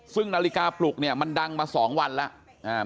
ซึ่งนาฬิกาปลุกเนี่ยมันดังมา๒วันแล้ว